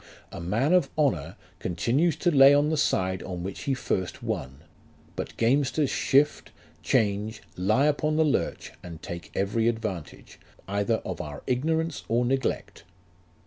A man of honour continues to lay on the side on which he first won ; but gamesters shift, change, lie upon the lurch, and take every advantage, either of our ignorance or neglect.